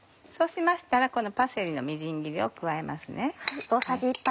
そうしましたらこのパセリのみじん切りを加えますね。